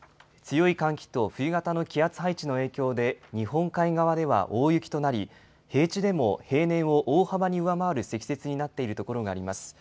強い寒気と冬型の気圧配置の影響で、日本海側では大雪となり、平地でも平年を大幅に上回る積雪になっている所があります。